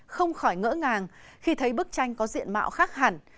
không khỏi ngỡ ngàng khi thấy bức tranh có diện mạo khác hẳn